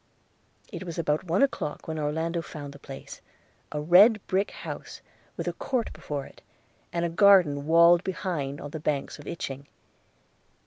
It was about one o'clock when Orlando found the place; a red brick house with a court before it, and a garden walled behind, on the banks of the Itching.